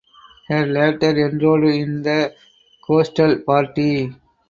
He later enrolled in the Coastal Party.